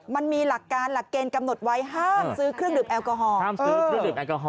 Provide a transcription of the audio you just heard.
มันมีหลักการหลักเกณฑ์กำหนดไว้ห้ามซื้อเครื่องดื่มแอลกอฮอล์